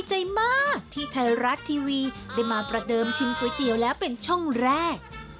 ใจมากที่ไทยรัฐทีวีได้มาประเดิมชิมก๋วยเตี๋ยวแล้วเป็นช่องแรก